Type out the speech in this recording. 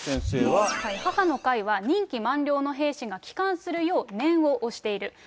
母の会は、任期満了の兵士が帰還するよう念を押している。